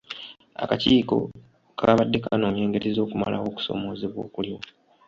Akakiiko kaabadde kanoonya engeri z'okumalawo okusoomoozebwa okuliwo.